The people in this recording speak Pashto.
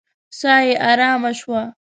ساه يې آرامه شوه.